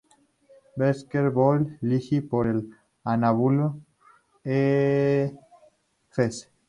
Basketbol Ligi por el Anadolu Efes.